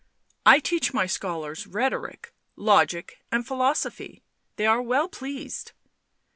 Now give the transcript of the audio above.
I teach my scholars rhetoric, logic and philosophy ... they are well pleased."